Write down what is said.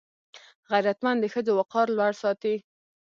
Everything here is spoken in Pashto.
غیرتمند د ښځو وقار لوړ ساتي